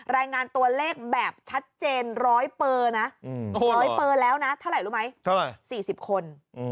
รายงานตัวเลขแบบชัดเจน๑๐๐เปอร์นะ๑๐๐เปอร์แล้วนะเท่าไหร่รู้ไหม๔๐คน